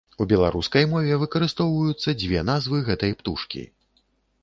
У беларускай мове выкарыстоўваюцца дзве назвы гэтай птушкі.